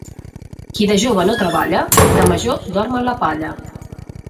Qui de jove no treballa, de major dorm en la palla.